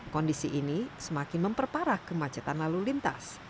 kondisi ini semakin memperparah kemacetan lalu lintas